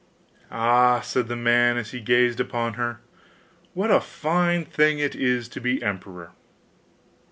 'Ah!' said the man, as he gazed upon her, 'what a fine thing it is to be emperor!